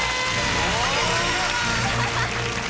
ありがとうございます！